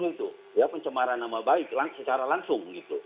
tiga ratus sepuluh itu ya pencemarah nama baik secara langsung gitu